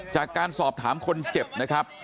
จากการสอบถามคนเจ็บนะครับ